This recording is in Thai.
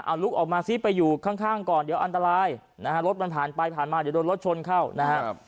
เอาลุกออกมาซิไปอยู่ข้างก่อนเดี๋ยวอันตรายนะฮะรถมันผ่านไปผ่านมาเดี๋ยวโดนรถชนเข้านะครับ